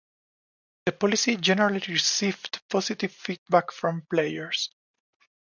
The policy generally received positive feedback from players.